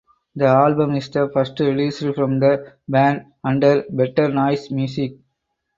The album is the first release from the band under Better Noise Music.